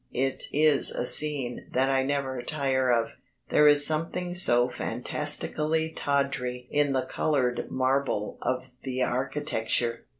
It is a scene that I never tire of. There is something so fantastically tawdry in the coloured marble of the architecture.